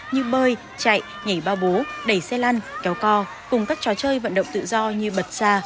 như bơi chạy nhảy bao bố đẩy xe lăn kéo co cùng các trò chơi vận động tự do như bật xa